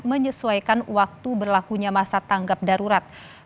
menyesuaikan waktu berlakunya masa tanggap darurat